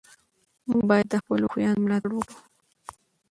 موږ باید له خپلو خویندو ملاتړ وکړو.